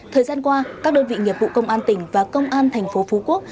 thời gian qua các đơn vị nghiệp vụ công an tỉnh và công an thành phố phú quốc